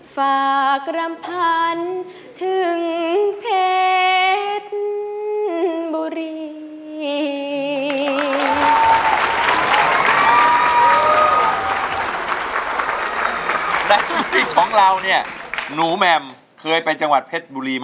กรำพันถึงเพชรบุรี